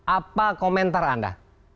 apa komentar anda